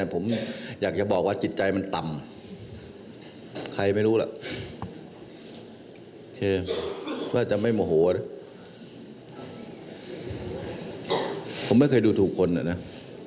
ผมไม่เคยดูดุถูกคนนะนะ